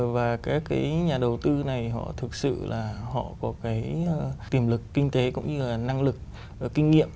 và các cái nhà đầu tư này họ thực sự là họ có cái tiềm lực kinh tế cũng như là năng lực kinh nghiệm